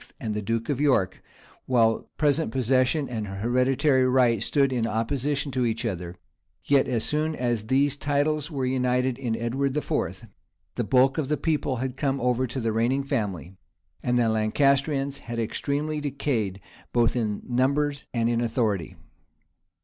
and the duke of York, while present possession and hereditary right stood in opposition to each other, yet as soon as these titles were united in Edward IV., the bulk of the people had come over to the reigning family; and the Lancastrians had extremely decayed, both in numbers and in authority.